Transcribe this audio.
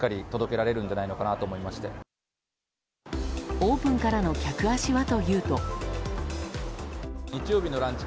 オープンからの客足はというと。